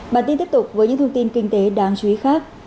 bản tin tiếp tục với những thông tin kinh tế đáng chú ý khác